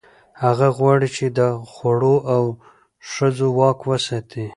هغه غواړي، چې د خوړو او ښځو واک وساتي.